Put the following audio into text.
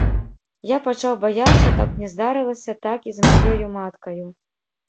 Я пачаў баяцца, каб не здарылася так і з маёю маткаю.